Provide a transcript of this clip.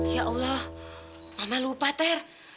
ya allah amal lupa ter